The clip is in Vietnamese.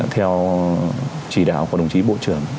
theo chỉ đạo của đồng chí bộ trưởng